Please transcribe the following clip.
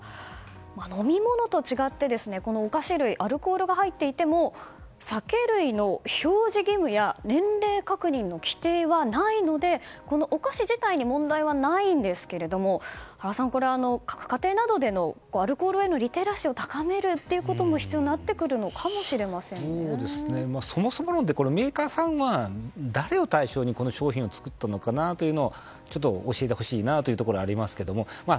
飲み物と違って、お菓子類アルコールが入っていても酒類の表示義務や年齢確認の規定はないのでこのお菓子自体に問題はないんですけども原さん、各家庭などのアルコールへのリテラシーを高めるということも必要になってくるかもそもそも論でメーカーさんは誰を対象にこの商品を作ったのかなとちょっと教えてほしいなというところもありますが。